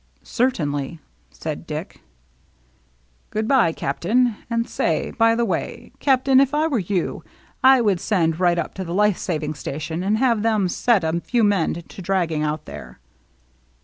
" Certainly," said Dick. " Good by, Captain — and say, by the way. Captain, if I were you, I would send right up to the life saving station and have them' set a few men to dragging out there."